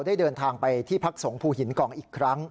ได้เดินทางไปที่พักสงภูหินกองอีกครั้ง